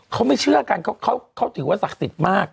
เขาไม่เชื่อกันเขาถือว่าศักดิ์สิทธิ์มาก